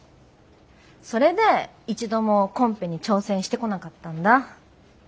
それで一度もコンペに挑戦してこなかったんだ。